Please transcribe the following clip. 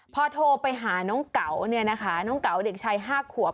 พอโทรไปหาน้องเก๋าเนี่ยนะคะน้องเก๋าเด็กชาย๕ขวบ